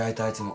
はい。